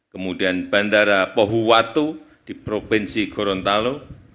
kemudian bandara pohuwatu di provinsi gorontalo